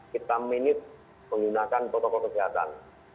kita manage menggunakan protokol kesehatan